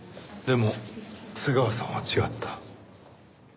でも瀬川さんは違った。